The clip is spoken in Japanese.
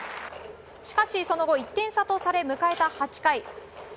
しかし、その後１点差とされ迎えた８回。